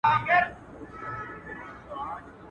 زه دي پزه پرې کوم، ته پېزوان را څخه غواړې.